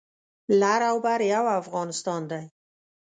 لر او بر یو افغانستان دی